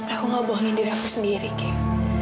aku gak bohongin diri aku sendiri kim